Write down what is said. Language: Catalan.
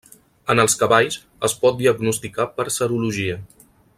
En els cavalls es pot diagnosticar per serologia.